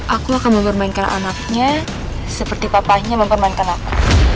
aku akan mempermainkan anaknya seperti papanya mempermainkan aku